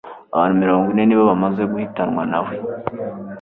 Abantu mirongo ine nibo bamaze guhitanwa nawe